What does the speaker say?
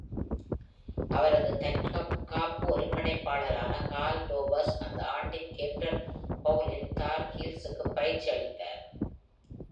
அவரது தற்காப்பு ஒருங்கிணைப்பாளரான கார்ல் டோர்பஷ், அந்த ஆண்டின் கேட்டர் பவுலில் தார் ஹீல்சுக்குப் பயிற்சியளித்தார்.